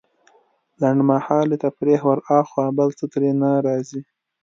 لنډمهالې تفريح وراخوا بل څه ترې نه راځي.